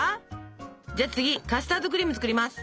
じゃあ次カスタードクリーム作ります。